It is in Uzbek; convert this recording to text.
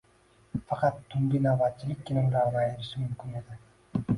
Faqat tungi navbatchilikkina ularni ayirishi mumkin edi